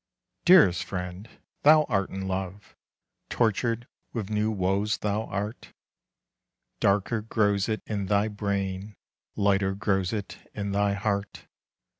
Dearest friend, thou art in love, Tortured with new woes thou art; Darker grows it in thy brain, Lighter grows it in thy heart.